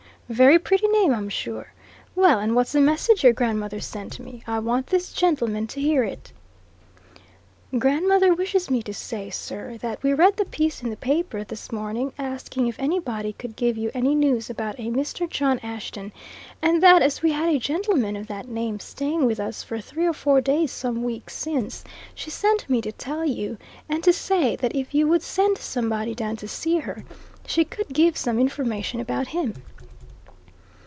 "Very pretty name, I'm sure! Well, and what's the message your grandmother sent me? I want this gentleman to hear it." "Grandmother wished me to say, sir, that we read the piece in the paper this morning asking if anybody could give you any news about a Mr. John Ashton, and that as we had a gentleman of that name staying with us for three or four days some weeks since, she sent me to tell you, and to say that if you would send somebody down to see her, she could give some information about him."